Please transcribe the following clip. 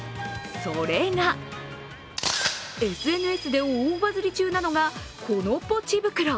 それが、ＳＮＳで大バズリ中なのが、このポチ袋。